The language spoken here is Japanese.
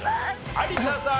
有田さん